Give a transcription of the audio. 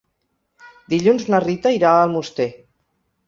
Dilluns na Rita irà a Almoster.